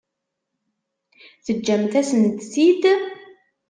Teǧǧamt-asent-t-id?